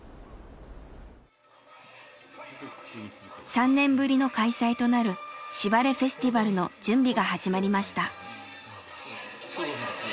３年ぶりの開催となる「しばれフェスティバル」の準備が始まりました。